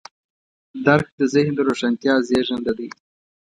درک د ذهن د روښانتیا زېږنده دی.